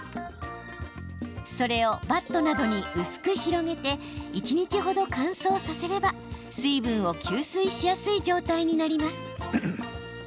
それをバットなどに薄く広げて一日ほど乾燥させれば水分を吸収しやすい状態になります。